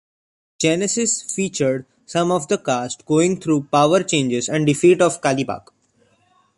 Genesis featured some of the cast going through power-changes and the defeat of Kalibak.